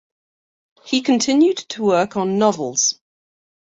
He continued to work on novels.